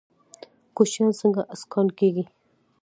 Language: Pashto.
کوچیان څنګه اسکان کیږي؟